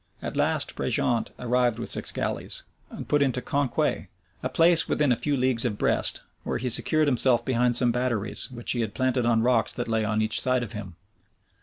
At last Prejeant arrived with six galleys, and put into Conquet, a place within a few leagues of Brest; where he secured himself behind some batteries, which he had planted on rocks that lay on each side of him.